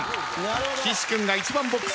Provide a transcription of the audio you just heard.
岸君が１番ボックス。